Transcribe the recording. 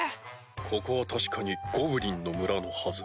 ここは確かにゴブリンの村のはず。